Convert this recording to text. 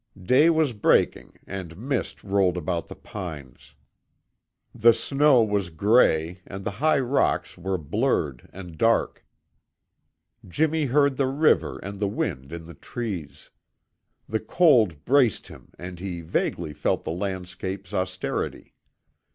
Day was breaking and mist rolled about the pines. The snow was gray and the high rocks were blurred and dark. Jimmy heard the river and the wind in the trees. The cold braced him and he vaguely felt the landscape's austerity.